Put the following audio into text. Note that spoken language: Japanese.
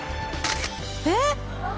えっ！？